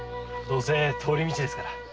どうせ通り道ですから。